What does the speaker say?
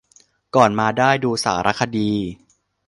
ก่อนมาได้ดูสารคดี